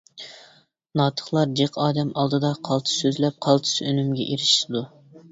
ناتىقلار جىق ئادەم ئالدىدا قالتىس سۆزلەپ، قالتىس ئۈنۈمگە ئېرىشىدۇ.